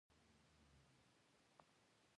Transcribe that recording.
ژوندي بخښنه غواړي